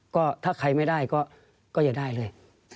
ก็ถ้าใครไม่ได้ก็อย่าได้เลย